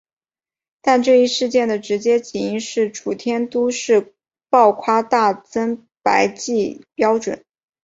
但这一事件的直接起因是楚天都市报夸大增白剂标准。